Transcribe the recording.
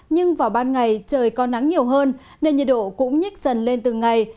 nhưng vào ban ngày trời còn nắng nhiều hơn nên nhiệt độ cũng nhích dần lên từ ngày